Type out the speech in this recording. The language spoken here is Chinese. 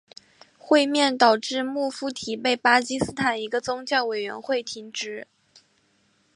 会面导致穆夫提被巴基斯坦一个宗教委员会停职。